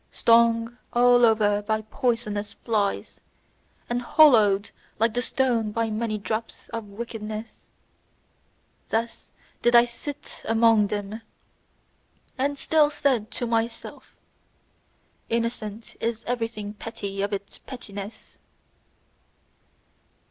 Stung all over by poisonous flies, and hollowed like the stone by many drops of wickedness: thus did I sit among them, and still said to myself: "Innocent is everything petty of its pettiness!"